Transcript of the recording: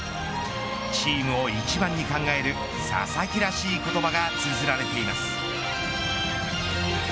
チームを一番に考える佐々木らしい言葉がつづられています。